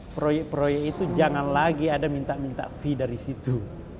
proyek proyek itu jangan lagi ada minta minta fee dari situ